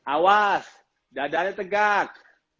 awas dadanya tegak